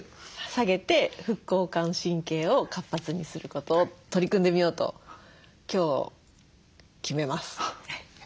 下げて副交感神経を活発にすることを取り組んでみようと今日決めます。